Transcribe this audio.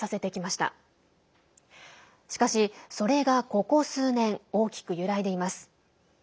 しかし、それがここ数年大きく揺らいでいます。